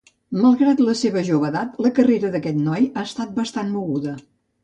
Malgrat la seva jove edat, la carrera d’aquest noi ha estat bastant moguda.